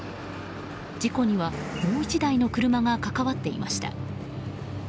事故には、もう１台の車が関わっていました。